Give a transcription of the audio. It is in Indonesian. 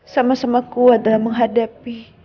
sama sama kuat dalam menghadapi